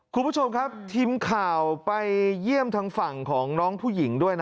คุณผู้ชมครับทีมข่าวไปเยี่ยมทางฝั่งของน้องผู้หญิงด้วยนะ